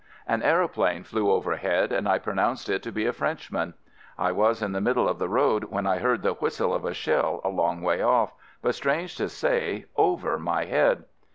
An aeroplane flew overhead and I pronounced it to be a Frenchman. I was in the middle of the road when I heard the whistle of a shell a long way off, but, strange to say, over my head.